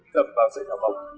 thập vào sợi thảo vọng